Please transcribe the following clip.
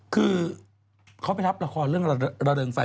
คือเขาไปรับละครเรื่องระเริงไฟ